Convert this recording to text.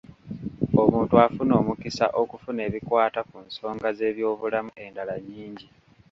Omuntu afuna omukisa okufuna ebikwata ku nsonga z’ebyobulamu endala nnyingi.